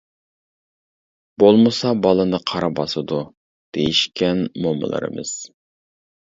بولمىسا بالىنى قارا باسىدۇ، دېيىشكەن مومىلىرىمىز.